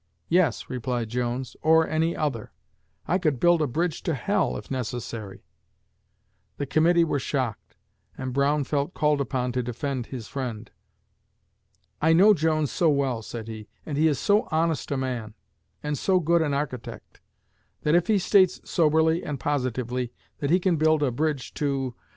'Yes,' replied Jones, 'or any other. I could build a bridge to h l, if necessary.' The committee were shocked, and Brown felt called upon to defend his friend. 'I know Jones so well,' said he, 'and he is so honest a man, and so good an architect, that if he states soberly and positively that he can build a bridge to